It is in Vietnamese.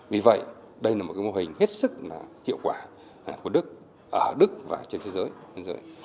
vì vậy đây là một mô hình hết sức hiệu quả của đức ở đức và trên thế giới